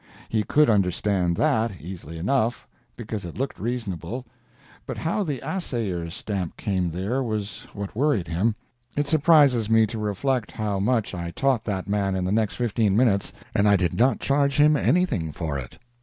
He could understand that, easily enough, because it looked reasonable—but how the assayer's stamp came there was what worried him! It surprises me to reflect how much I taught that man in the next fifteen minutes, and I did not charge him anything for it.